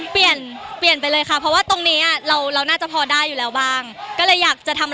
เปลี่ยนเปลี่ยนไปเลยค่ะเพราะว่าตรงนี้อ่ะเราเราน่าจะพอได้อยู่แล้วบ้างก็เลยอยากจะทำ